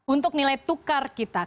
untuk nilai tukar kita